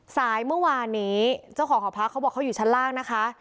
สายเมื่อวานนี้เจ้าของหอพักเขาบอกเขาอยู่ชั้นล่างนะคะ